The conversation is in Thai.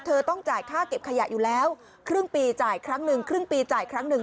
เธอต้องจ่ายค่าเก็บขยะอยู่แล้วครึ่งปีจ่ายครั้งหนึ่งครึ่งปีจ่ายครั้งหนึ่ง